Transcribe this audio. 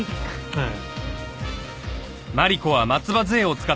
ええ。